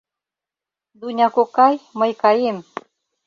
— Дуня кокай, мый каем...